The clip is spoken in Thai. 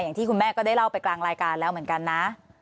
อย่างที่คุณแม่ก็ได้เล่าไปกลางรายการแล้วเหมือนกันนะ